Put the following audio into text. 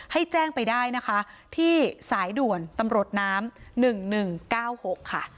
ให้แจ้งไปได้นะคะที่สายด่วนตำรวจน้ำ๑๑๙๖ค่ะ